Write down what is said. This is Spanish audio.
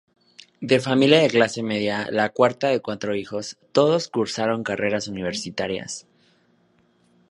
De familia de clase media, la cuarta de cuatro hijos, todos cursaron carreras universitarias.